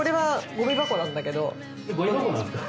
ゴミ箱なんですか？